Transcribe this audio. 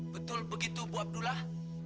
betul begitu bu abdullah